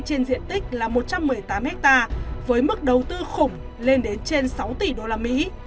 trên diện tích là một trăm một mươi tám ha với mức đầu tư khủng lên đến trên sáu tỷ usd